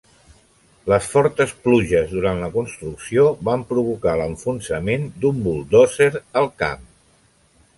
Les fortes pluges durant la construcció van provocar l'enfonsament d'un buldòzer al camp.